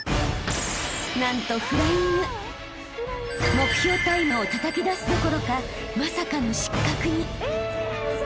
［目標タイムをたたき出すどころかまさかの］